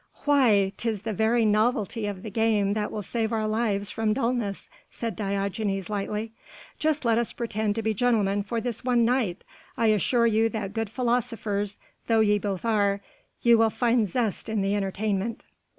"Why! 'tis the very novelty of the game that will save our lives from dullness," said Diogenes lightly, "just let us pretend to be gentlemen for this one night. I assure you that good philosophers though ye both are, you will find zest in the entertainment."